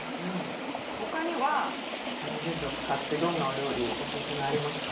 他にはジュースを使ってどんなお料理オススメありますか？